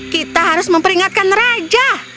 kita harus memperingatkan raja